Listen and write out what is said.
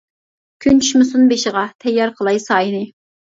كۈن چۈشمىسۇن بېشىغا، تەييار قىلاي سايىنى.